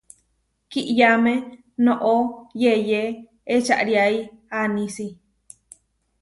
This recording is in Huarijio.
Kiʼyáme noʼó yeyé ečariái anísi.